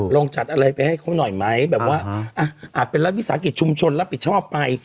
ลองจัดอะไรไปให้เขาหน่อยไหมแบบว่าเป็นรัฐวิสาหกิจชุมชนรับผิดชอบไป